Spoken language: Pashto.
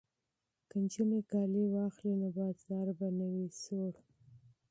که نجونې کالي واخلي نو بازار به نه وي سوړ.